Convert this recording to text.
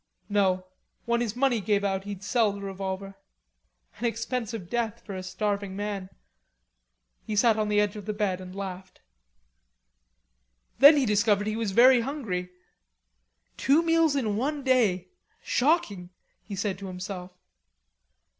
No, when his money gave out he'd sell the revolver. An expensive death for a starving man. He sat on the edge of the bed and laughed. Then he discovered he was very hungry. Two meals in one day; shocking! He said to himself.